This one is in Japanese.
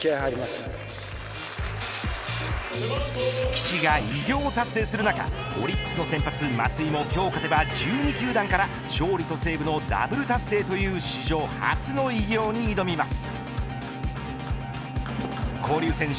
岸が偉業を達成する中オリックスの先発増井も今日勝てば１２球団から勝利とセーブのダブル達成という史上初の偉業に挑みます。